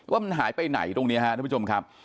ว่ามันหายไปไหนตรงนี้ฮะทุกผู้ชมครับ